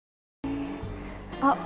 あっ